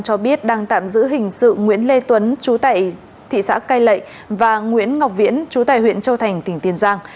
công an tỉnh tiền giang tạm giữ hình sự nguyễn lê tuấn chú tại thị xã cây lệ và nguyễn ngọc viễn chú tại huyện châu thành tỉnh tiền giang